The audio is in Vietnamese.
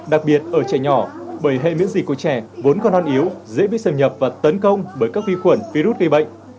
đặc biệt ở trẻ nhỏ bởi hệ miễn dịch của trẻ vốn còn non yếu dễ bị xâm nhập và tấn công bởi các vi khuẩn virus gây bệnh